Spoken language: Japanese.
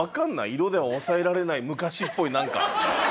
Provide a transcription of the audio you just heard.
色ではおさえられない昔っぽいなんか。